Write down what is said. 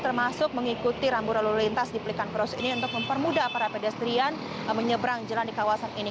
termasuk mengikuti rambu lalu lintas di pelikan cross ini untuk mempermudah para pedestrian menyeberang jalan di kawasan ini